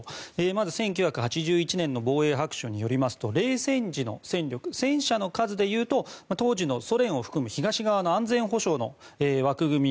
まず１９８１年の「防衛白書」によりますと冷戦時の戦力、戦車の数でいうと当時のソ連を含む東側の安全保障の枠組み